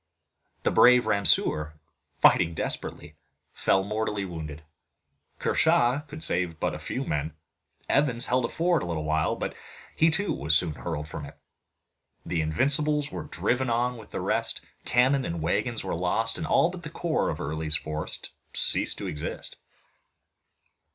The brave Ramseur, fighting desperately, fell mortally wounded, Kershaw could save but a few men, Evans held a ford a little while, but he too was soon hurled from it. The Invincibles were driven on with the rest, cannon and wagons were lost, and all but the core of Early's force ceased to exist.